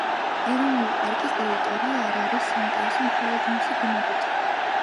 ეროვნული პარკის ტერიტორია არ არის საინტერესო მხოლოდ მისი ბუნებით.